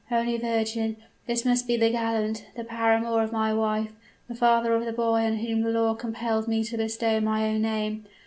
Holy Virgin! this must be the gallant the paramour of my wife the father of the boy on whom the law compelled me to bestow my own name.